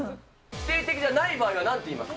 否定的じゃない場合はなんて言います？